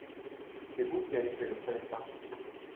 C’est vous qui avez fait le premier pas.